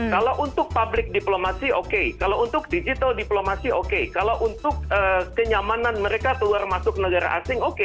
kalau untuk public diplomacy oke kalau untuk digital diplomasi oke kalau untuk kenyamanan mereka keluar masuk negara asing oke